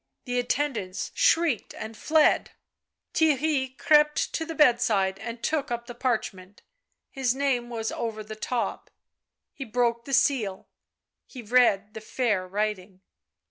The attendants shrieked and fled. Theirry crept to the bedside and took up the parchment ; his name was over the top ; he broke the seal. He read the fair writing.